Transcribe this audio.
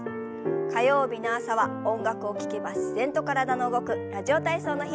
火曜日の朝は音楽を聞けば自然と体の動く「ラジオ体操」の日。